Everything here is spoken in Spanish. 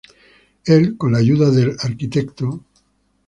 Él con la ayuda del Arq.